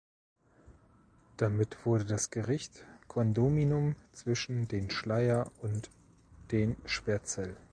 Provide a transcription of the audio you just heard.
Damit wurde das Gericht Kondominium zwischen den Schleier und den Schwertzell.